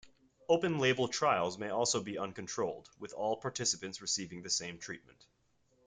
Open-label trials may also be uncontrolled, with all participants receiving the same treatment.